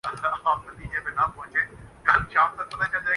بلکہ یوں کہنا چاہیے کہ ان ہی کہانیوں نے ہمارے معاشرے کا رنگ بدل دیا ہے